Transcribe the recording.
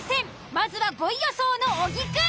まずは５位予想の小木くん。